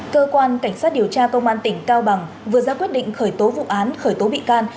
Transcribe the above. cơ quan cảnh sát điều tra công an tỉnh cao bằng vừa ra quyết định khởi tố vụ án khởi tố bị can